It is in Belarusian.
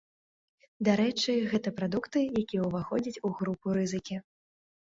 Дарэчы, гэта прадукты, якія ўваходзяць у групу рызыкі.